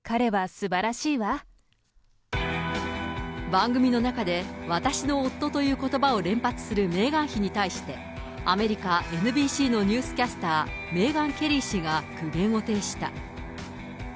番組の中で、私の夫ということばを連発するメーガン妃に対して、アメリカ・ＮＢＣのニュースキャスター、メーガン・ケリー氏が苦言を呈した。